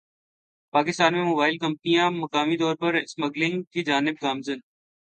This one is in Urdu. پاکستان میں موبائل کمپنیاں مقامی طور پر اسمبلنگ کی جانب گامزن